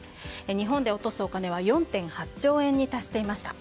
日本で落とすお金は４．８兆円に達していました。